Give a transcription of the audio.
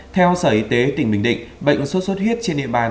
theo sở y tế tỉnh bình định bệnh suốt suốt huyết trên địa bàn